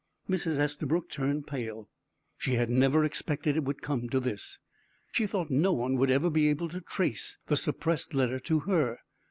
Mrs. Estabrook turned pale. She had never expected it would come to this. She thought no one would ever be able to trace the suppressed letter to her.